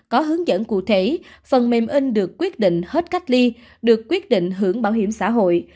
có hướng dẫn cụ thể phần mềm in được quyết định hết cách ly được quyết định hưởng bảo hiểm xã hội